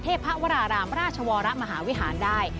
พระวรารามราชวรมหาวิหารได้